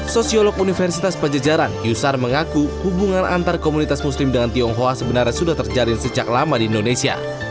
sosiolog universitas pajajaran yusar mengaku hubungan antar komunitas muslim dengan tionghoa sebenarnya sudah terjalin sejak lama di indonesia